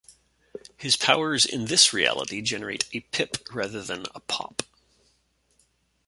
His powers in this reality generate a 'Pip' rather than a 'Pop'.